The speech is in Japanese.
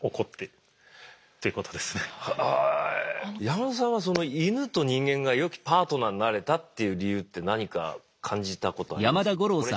山田さんはそのイヌと人間が良きパートナーになれたという理由って何か感じたことあります？